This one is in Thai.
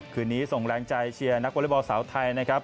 คืนนี้ส่งแรงใจเชียร์นักวอเล็กบอลสาวไทยนะครับ